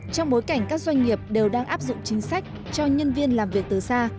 trong bối cảnh các doanh nghiệp đều đang áp dụng chính sách cho nhân viên làm việc từ xa